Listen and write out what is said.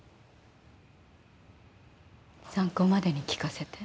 参考までに聞かせて。